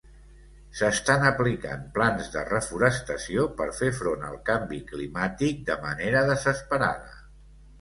S'estan aplicant plans de reforestació per fer front al canvi climàtic de manera desesperada.